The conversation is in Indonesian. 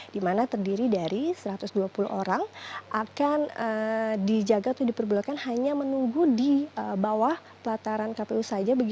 di mana terdiri dari satu ratus dua puluh orang akan dijaga atau diperbolehkan hanya menunggu di bawah pelataran kpu saja